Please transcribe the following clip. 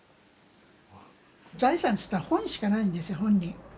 財産といったら本しかないんですよ本人。